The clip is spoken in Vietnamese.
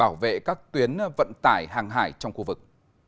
bảo vệ các tuyến vận tải hàng hải trong khu vực